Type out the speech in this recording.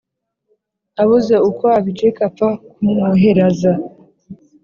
Abuze uko abicika apfa kumwoheraza